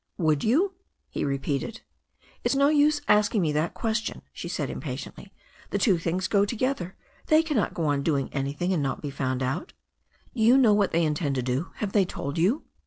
"Would you?" he repeated. "It's no use asking me that question," she said impa tiently. "The two things go together. They cannot go on doing an)rthing and not be found out." "Do you know what they intend to do? Have they told you?"